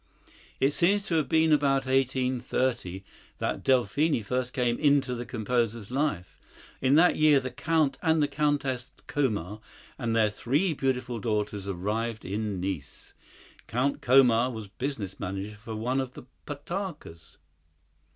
It seems to have been about 1830 that Delphine first came into the composer's life. In that year the Count and Countess Komar and their three beautiful daughters arrived in Nice. Count Komar was business manager for one of the Potockas.